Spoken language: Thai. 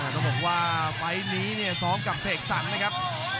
ต้องบอกว่าไฟล์นี้เนี่ยซ้อมกับเสกสรรนะครับ